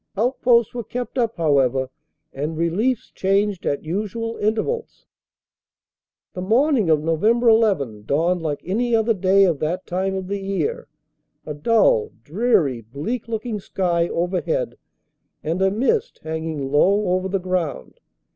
Outposts were kept up, however, and reliefs changed at usual intervals. "The morning of Nov. 1 1 dawned like any other day of that time of the year, a dull, dreary, bleak looking sky over head and a mist hanging low over the ground.